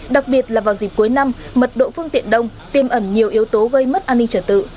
đặc biệt là vào dịp cuối năm mật độ phương tiện đông tiêm ẩn nhiều yếu tố gây mất an ninh trở tự